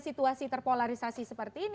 situasi terpolarisasi seperti ini